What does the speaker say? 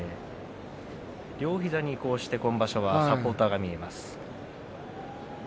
両膝に今場所はサポーターが見えます。